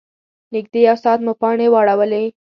نږدې یو ساعت مو پانې واړولې.